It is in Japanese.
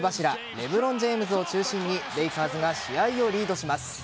レブロン・ジェームズを中心にレイカーズが試合をリードします。